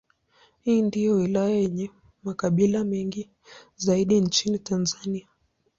Hii ndiyo wilaya yenye makabila mengi zaidi nchini Tanzania.